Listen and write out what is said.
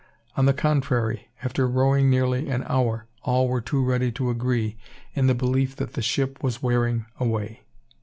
On the contrary, after rowing nearly an hour, all were too ready to agree in the belief that the ship was wearing away.